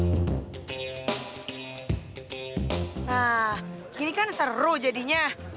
nah ini kan seru jadinya